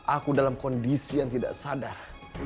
aku dalam kondisi yang tidak sadar